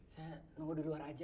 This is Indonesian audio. saya nunggu di luar aja